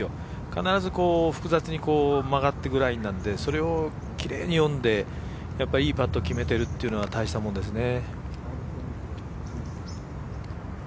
必ず複雑に曲がっているラインなんでそれをきれいに読んでいいパットを決めているというのが大したもんですね。